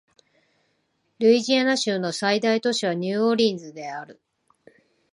ルイジアナ州の最大都市はニューオーリンズである